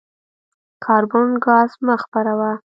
کاربن ګاز مه خپروه.